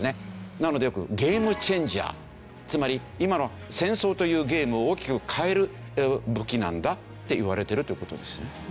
なのでよくゲームチェンジャーつまり今の戦争というゲームを大きく変える武器なんだっていわれてるという事です。